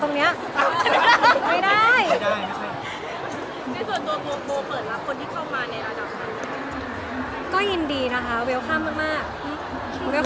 ยังไงอะจีบกันเหรอตรงเนี้ย